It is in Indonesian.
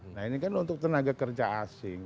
nah ini kan untuk tenaga kerja asing